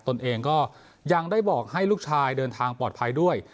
ตนเองก็ยังได้บอกให้ลูกชายเดินทางปลอดภัยด้วย